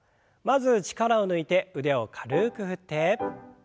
まず力を抜いて腕を軽く振って。